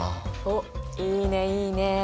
おっいいねいいね！